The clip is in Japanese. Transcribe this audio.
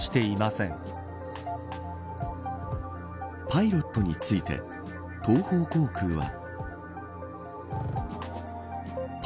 パイロットについて東方航空は。